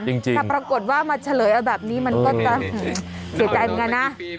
แต่ปรากฏว่ามาเฉลยเอาแบบนี้มันก็จะเสียใจเหมือนกันนะ